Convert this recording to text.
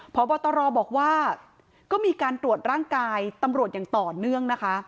พบตรบอกว่าก็มีการตรวจร่างกายตำรวจอย่างต่อเนื่องนะคะ